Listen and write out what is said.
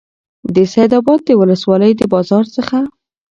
د سیدآباد د ولسوالۍ د بازار څخه